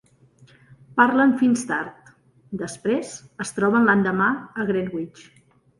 Parlen fins tard, després es troben l"endemà a Greenwich.